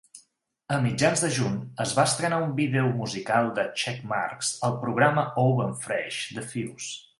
A mitjans de juny es va estrenar un vídeo musical de "Checkmarks" al programa "Oven Fresh" de Fuse.